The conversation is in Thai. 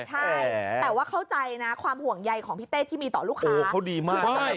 แต่ว่าเข้าใจความห่วงใยของพี่เต้ที่มีต่อลูกค้า